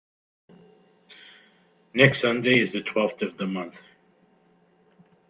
Next Sunday is the twelfth of the month.